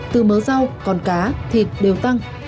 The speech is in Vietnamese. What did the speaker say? từ mớ rau con cá thịt đều tăng